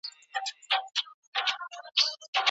هيڅکله څوک جبري او تحميلي نکاح ته مه اړ باسئ.